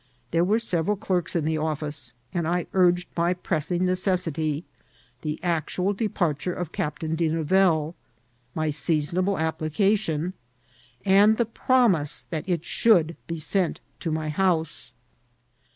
There were several clerks in the office, and I urged my pressing necessity, the actual departure of Captain Be Nouvelle, my seasonable application, and the prom ise that it should be sent to my house.